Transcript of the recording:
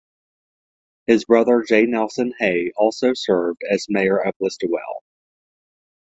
His brother J. Nelson Hay also served as mayor of Listowel.